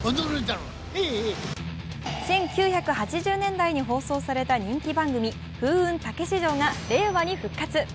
１９８０年代に放送された人気番組「風雲！たけし城」が復活。